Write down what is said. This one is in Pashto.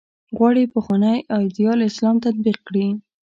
غواړي پخوانی ایدیال اسلام تطبیق کړي.